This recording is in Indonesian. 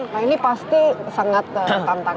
nah ini pasti sangat tantangannya besar